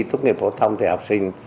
thuốc nghiệp phổ thông thì học sinh